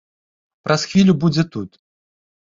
Праз хвілю будзе тут!